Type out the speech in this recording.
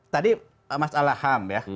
tadi mas alham ya